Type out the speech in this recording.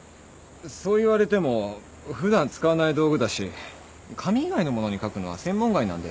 そう言われても普段使わない道具だし紙以外のものに書くのは専門外なんで。